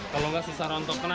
kalau tidak susah rontok